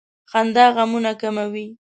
• خندا غمونه کموي.